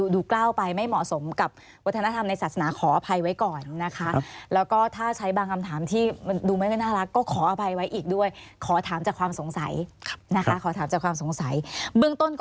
ดูกล้าวไปไม่เหมาะสมกับ